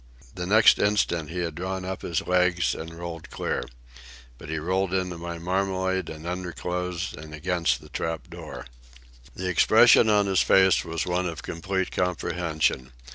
The next instant he had drawn up his legs and rolled clear. But he rolled into my marmalade and underclothes and against the trap door. The expression on his face was one of complete comprehension.